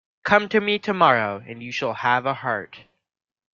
Come to me tomorrow and you shall have a heart.